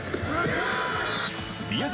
宮崎